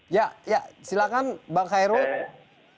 ya ya silahkan bang kairul